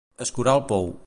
Escurar el pou.